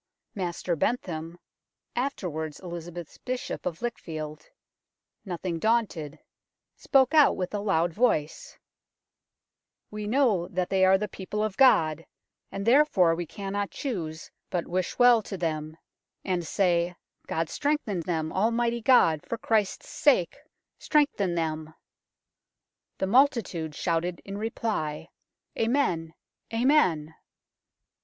Master Bentham (afterwards Elizabeth's Bishop of Lichfield), nothing daunted, spoke out with a loud voice, " We know that they are the people of God, and therefore we cannot THE FIRES OF SMITHFIELD 187 choose but wish well to them, and say, ' God strengthen them ! Almighty God, for Christ's sake strengthen them !' The multitude shouted in reply, " Amen, Amen